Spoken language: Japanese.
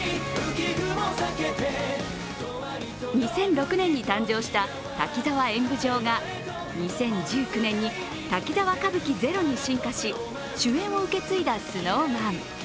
２００６年に誕生した「滝沢演舞城」が２０１９年に「滝沢歌舞伎ＺＥＲＯ」に進化し主演を受け継いだＳｎｏｗＭａｎ。